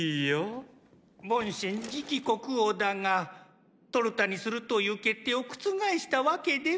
ボンシェン次期国王だがトルタにするという決定を覆したわけでは。